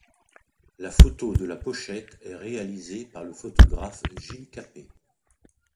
La photo de la pochette est réalisée par le photographe Gilles Cappé.